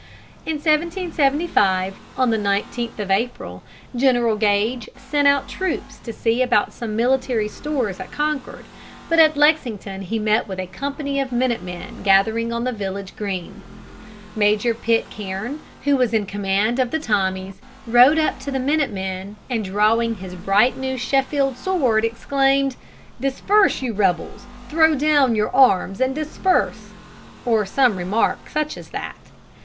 [Illustration: BOSTON TEA PARTY, 1893.] In 1775, on the 19th of April, General Gage sent out troops to see about some military stores at Concord, but at Lexington he met with a company of minute men gathering on the village green. Major Pitcairn, who was in command of the Tommies, rode up to the minute men, and, drawing his bright new Sheffield sword, exclaimed, "Disperse, you rebels! throw down your arms and disperse!" or some such remark as that.